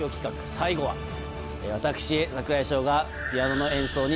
最後は私櫻井翔が。